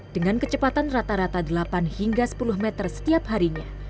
dengan kecepatan rata rata delapan hingga sepuluh meter setiap harinya